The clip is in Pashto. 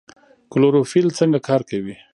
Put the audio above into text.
کلوروفیل څنګه کار کوي؟